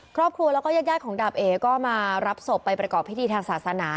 ครอบครัวแล้วก็ญาติของดาบเอ๋ก็มารับศพไปประกอบพิธีทางศาสนา